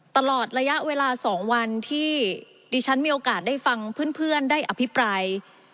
ตลอดระยะเวลา๒วันที่ดิฉันมีโอกาสได้ฟังเพื่อนได้อภิปราย